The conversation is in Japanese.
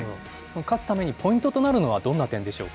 勝つためにポイントとなるのはどんな点でしょうか。